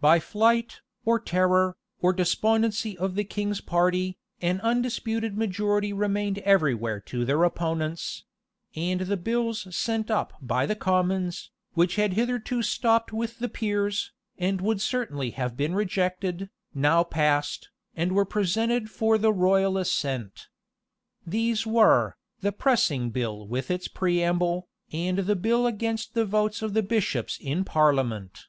By the flight, or terror, or despondency of the king's party, an undisputed majority remained everywhere to their opponents; and the bills sent up by the commons, which had hitherto stopped with the peers, and would certainly have been rejected, now passed, and were presented for the royal assent. These were, the pressing bill with its preamble, and the bill against the votes of the bishops in parliament.